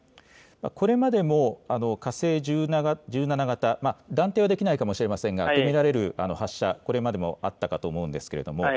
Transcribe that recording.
これまでも火星１７型、断定はできないかもしれませんが、と見られる発射、これまでもあったかと思うんですけれども、